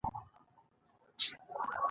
هېواد مو باید سم رهبري کړو